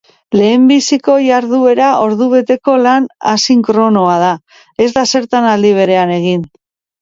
Lehenbiziko jarduera ordubeteko lan asinkronoa da, ez da zertan aldi berean egin.